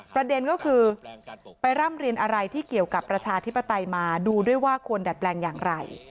ประเด็นก็คือไปร่ำเรียนอะไรที่เกี่ยวกับประชาธิปไตยมาดูด้วยว่าควรดัดแปลงอย่างไร